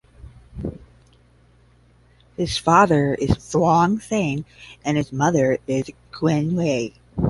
His father is Thaung Sein and his mother is Khin Aye.